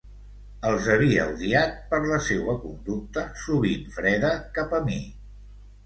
Els havia odiat per la seua conducta sovint freda cap a mi.